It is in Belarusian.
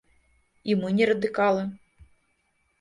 І мы не радыкалы.